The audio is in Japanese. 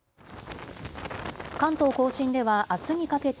関東甲信ではあすにかけて